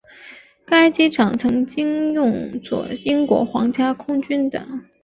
该机场曾经用作英国皇家空军的。